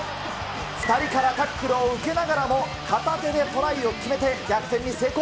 ２人からタックルを受けながらも、片手でトライを決めて逆転に成功。